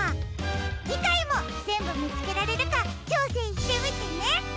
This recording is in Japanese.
じかいもぜんぶみつけられるかちょうせんしてみてね！